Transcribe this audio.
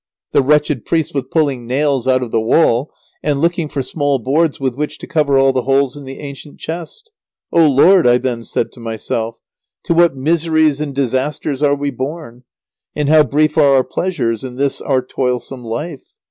The wretched priest was pulling nails out of the wall, and looking for small boards with which to cover all the holes in the ancient chest. "O Lord!" I then said to myself, "to what miseries and disasters are we born, and how brief are our pleasures in this our toilsome life!